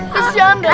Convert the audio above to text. kesian deh lo